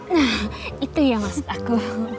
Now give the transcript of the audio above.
nah itu ya maksud aku